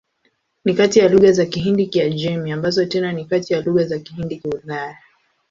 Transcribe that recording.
Ni kati ya lugha za Kihindi-Kiajemi, ambazo tena ni kati ya lugha za Kihindi-Kiulaya.